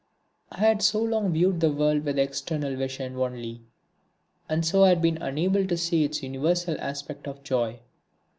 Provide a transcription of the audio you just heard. I had so long viewed the world with external vision only, and so had been unable to see its universal aspect of joy.